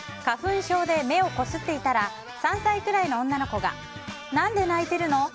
花粉症で目をこすっていたら３歳くらいの女の子が何で泣いてるの？